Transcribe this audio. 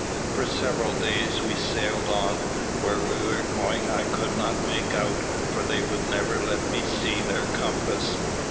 "For several days we sailed on. Where we were going to I could not make out, for they would never let me see their compass.